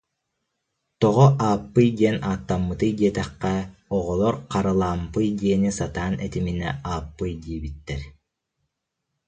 Тоҕо Ааппый диэн ааттаммытый диэтэххэ, оҕолор Харалаампый диэни сатаан этиминэ Ааппый диэбиттэр